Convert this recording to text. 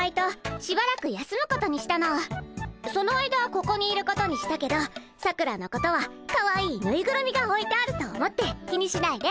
その間ここにいることにしたけどさくらのことはかわいいぬいぐるみがおいてあると思って気にしないで。